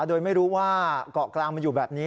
โดยไม่รู้ว่าเกาะกลางมันอยู่แบบนี้